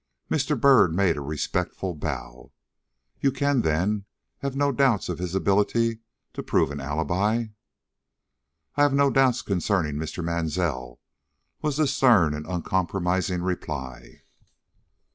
Mr. Byrd made a respectful bow. "You can, then, have no doubts of his ability to prove an alibi?" "I have no doubts concerning Mr. Mansell," was the stern and uncompromising reply.